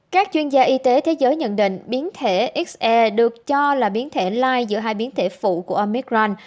các chuyên gia y tế thế giới nhận định biến thể xe được cho là biến thể lai giữa hai biến thể phụ của amicran